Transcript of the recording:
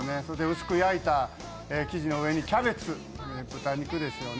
薄く焼いた生地の上にキャベツ、豚肉ですよね。